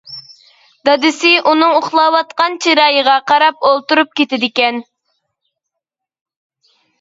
دادىسى ئۇنىڭ ئۇخلاۋاتقان چىرايىغا قاراپ ئولتۇرۇپ كېتىدىكەن.